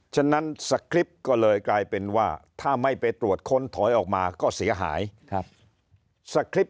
ฉะนั้นก็เลยกลายเป็นว่าถ้าไม่ไปตรวจค้นถอยออกมาก็เสียหายครับ